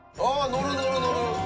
乗る乗る乗る！